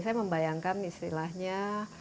saya membayangkan istilahnya